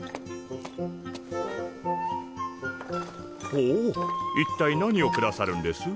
ほういったい何を下さるんです？